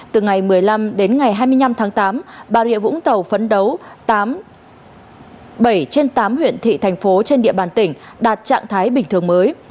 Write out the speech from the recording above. từ ngày một mươi năm đến ngày hai mươi năm tháng tám bà rịa vũng tàu phấn đấu tám trên tám huyện thị thành phố trên địa bàn tỉnh đạt trạng thái bình thường mới